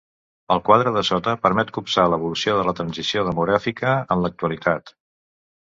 El quadre de sota permet copsar l'evolució de la transició demogràfica en l'actualitat.